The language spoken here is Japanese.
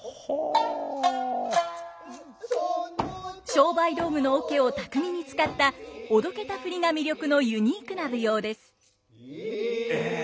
商売道具の桶を巧みに使ったおどけた振りが魅力のユニークな舞踊です。え。